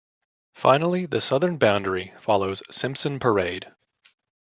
Finally the southern boundary follows Simpson Parade.